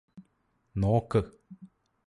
നോക്ക്